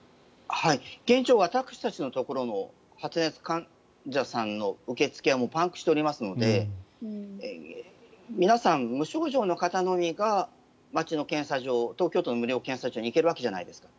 現状、私たちのところの発熱患者さんの受け付けはパンクしておりますので皆さん、無症状の方のみが街の検査場東京都の無料検査場に行けるわけじゃないですか。